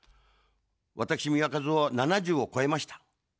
私、三輪和雄は７０を超えました。